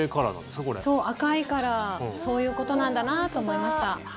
そう、赤いからそういうことなんだなと思いました。